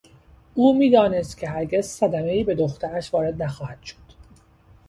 او میدانست که هرگز صدمهای به دخترش وارد نخواهد شد.